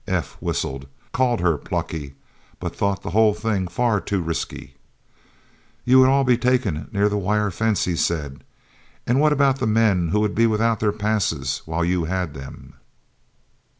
F. whistled, called her "plucky," but thought the whole thing far too risky. "You would all be taken near the wire fence," he said, "and what about the men who would be without their passes while you had them?"